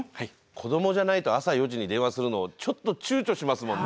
子どもじゃないと朝４時に電話するのちょっとちゅうちょしますもんね。